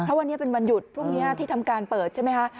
เพราะวันนี้เป็นวันหยุดพรุ่งนี้ที่ทำการเปิดใช่ไหมคะ